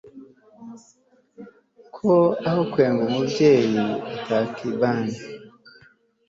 ko aho kwanga umubyeyi batakiban